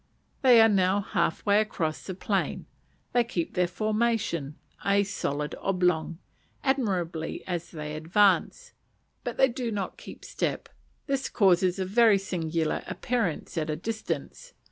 They are now half way across the plain; they keep their formation, a solid oblong, admirably as they advance, but they do not keep step; this causes a very singular appearance at a distance.